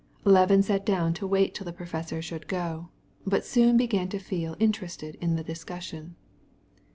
Levin sat down to wait till the professor should go, but he soon began to get interested in the subject under discussion.